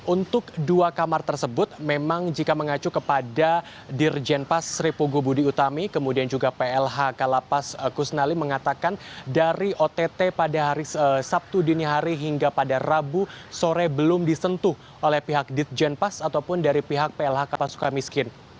untuk dua kamar tersebut memang jika mengacu kepada dirjenpas repugubudi utami kemudian juga plh kalapas kusnali mengatakan dari ott pada hari sabtu dinihari hingga pada rabu sore belum disentuh oleh pihak dirjenpas ataupun dari pihak plh kapasuka miskin